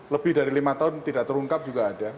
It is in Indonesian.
lebih dari lima tahun tidak terungkap juga ada